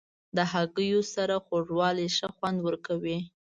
د هګیو سره خوږوالی ښه خوند ورکوي.